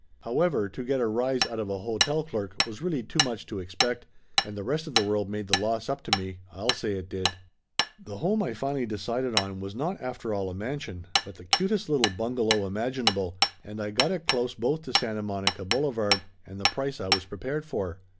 However, to get a rise out of a hotel clerk was really too much to expect, and the rest of the world made the loss up to me, I'll say it did ! The home I finally decided on was not after all a mansion, but the cutest little bungalow imaginable, and I got it close both to Santa Monica Boulevard and the Laughter Limited 199 price I was prepared for.